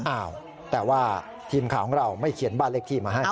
อ้าวแต่ว่าทีมข่าวของเราไม่เขียนบ้านเลขที่มาให้